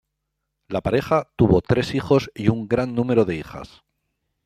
La pareja tuvo tres hijos y un gran número de hijas.